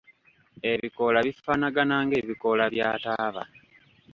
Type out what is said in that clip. Ebikoola bifaanagana ng'ebikoola bya taaba.